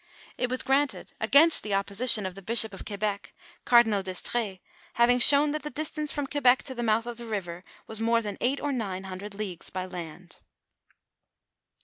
It was granted against the opposition of the bishop of Quebec, Cardinal d'Estr^es having shown that the distance from Que bec to the mouth of the river was more than eight or nine hundred leagues by land.